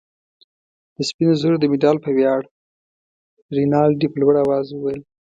د سپینو زرو د مډال په ویاړ. رینالډي په لوړ آواز وویل.